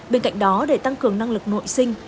bên cạnh đó để tăng cường năng lực nội sinh